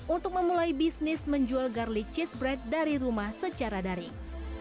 untuk memulai bisnis menjual garlic cheese bread dari rumah secara daring